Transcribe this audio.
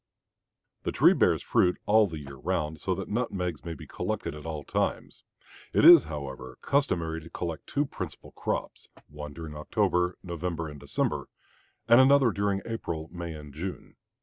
The tree bears fruit all the year round, so that nutmegs may be collected at all times. It is, however, customary to collect two principal crops, one during October, November, and December, and another during April, May, and June.